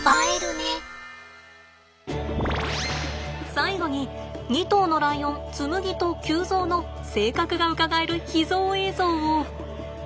最後に２頭のライオンつむぎと臼三の性格がうかがえる秘蔵映像を。